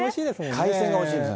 海鮮がおいしいです。